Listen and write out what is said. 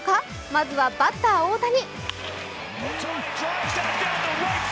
まずは、バッター・大谷。